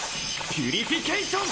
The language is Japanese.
ピュリフィケイション！